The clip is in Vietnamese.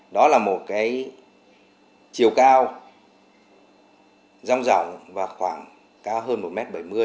đó là một chiều cao rong rỏng và khoảng cao hơn một m bảy mươi